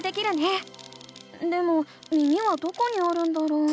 でも耳はどこにあるんだろう？